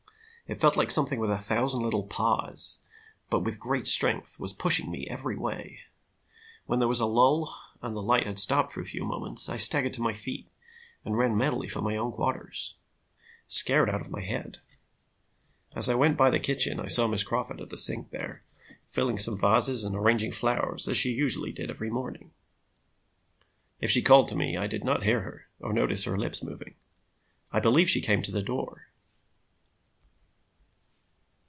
It felt like something with a thousand little paws but with great strength was pushing me every way. When there was a lull, and the light had stopped for a few moments, I staggered to my feet and ran madly for my own quarters, scared out of my head. As I went by the kitchen, I saw Miss Crawford at the sink there, filling some vases and arranging flowers as she usually did every morning. "'If she called to me, I did not hear her or notice her lips moving. I believe she came to the door.